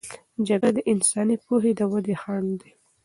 جګړه د انساني پوهې د ودې خنډ دی.